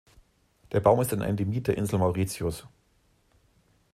Der Baum ist ein Endemit der Insel Mauritius.